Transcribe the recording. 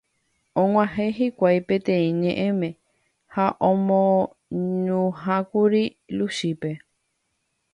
Og̃uahẽ hikuái peteĩ ñe'ẽme ha omoñuhãkuri Luchípe.